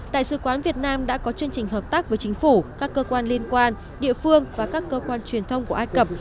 đại sứ quán việt nam đã có chương trình hợp tác với chính phủ các cơ quan liên quan địa phương và các cơ quan truyền thông của ai cập